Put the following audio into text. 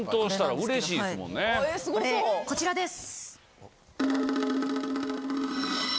お礼こちらです。